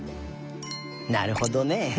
なるほどね。